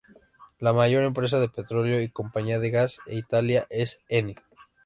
La mayor empresa de petróleo y compañía de gas de Italia es Eni.